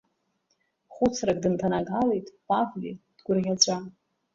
Хәыцрак дынҭанагалеит Павле дгәырӷьаҵәа.